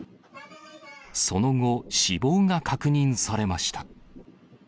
その後、死亡が確認されました。